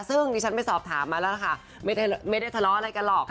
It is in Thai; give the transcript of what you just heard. ซึ่งดิฉันไปสอบถามมาแล้วล่ะค่ะไม่ได้ทะเลาะอะไรกันหรอก